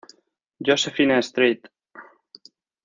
Josephine St.